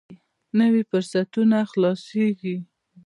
نوي فرصتونه خلاصېږي.